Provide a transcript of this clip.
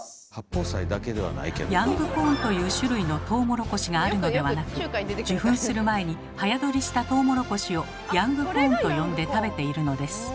ヤングコーンという種類のトウモロコシがあるのではなく受粉する前に早採りしたトウモロコシをヤングコーンと呼んで食べているのです。